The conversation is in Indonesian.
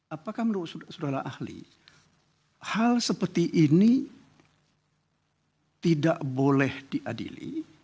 apakah menurut saudara ahli hal seperti ini tidak boleh diadili